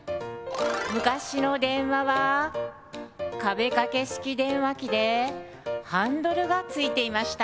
昔の電話は壁掛け式電話機でハンドルがついていました。